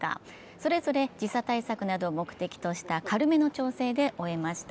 それぞれ時差対策などを目的とした軽めの調整で終えました。